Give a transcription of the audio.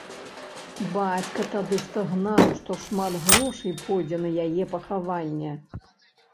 Бацька тады стагнаў, што шмат грошай пойдзе на яе пахаванне.